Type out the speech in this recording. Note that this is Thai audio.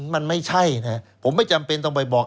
มันไม่ใช่นะผมไม่จำเป็นต้องไปบอก